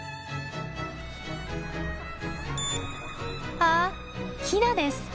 あっヒナです。